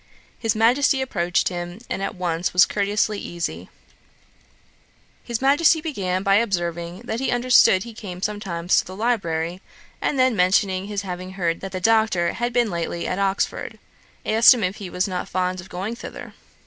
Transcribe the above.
His Majesty approached him, and at once was courteously easy. His Majesty began by observing, that he understood he came sometimes to the library; and then mentioning his having heard that the Doctor had been lately at Oxford, asked him if he was not fond of going thither.